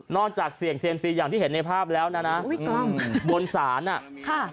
จากเสี่ยงเซียมซีอย่างที่เห็นในภาพแล้วนะอุ้ยกล้องบนศาลอ่ะค่ะ